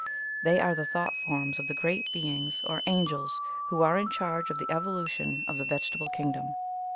They are the thought forms of the Great Beings, or an gels, who are in charge of the evolution of the vegetable kingdom.